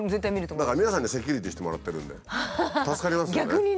だから皆さんにセキュリティーしてもらってるんで助かりますよね。